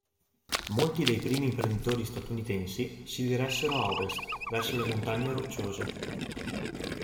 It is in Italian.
Molti dei primi imprenditori statunitensi si diressero a ovest, verso le Montagne Rocciose.